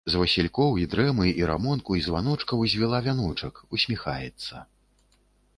З васількоў, і дрэмы, і рамонку, і званочкаў звіла вяночак, усміхаецца.